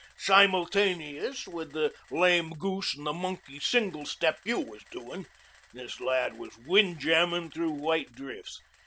Simultaneous with the lame goose and the monkey singlestep you was doin,' this lad was windjammin' through white drifts.